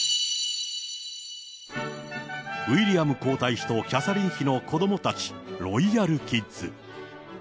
ウィリアム皇太子とキャサリン妃の子どもたち、ロイヤルキッズ。